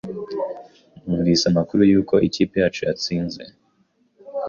Numvise amakuru yuko ikipe yacu yatsinze.